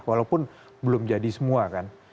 walaupun belum jadi semua kan